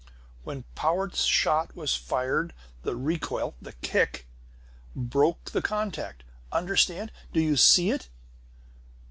"When Powart's shot was fired, the recoil the kick broke the contact! Understand? Do you see it?"